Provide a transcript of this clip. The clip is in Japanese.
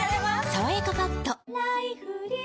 「さわやかパッド」